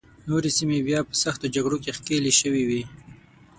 نورې سیمې بیا په سختو جګړو کې ښکېلې شوې وې.